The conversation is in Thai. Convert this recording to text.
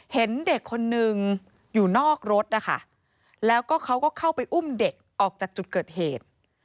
เห็นเด็กคนนึงอยู่นอกรถนะคะแล้วก็เขาก็เข้าไปอุ้มเด็กออกจากจุดเกิดเหตุ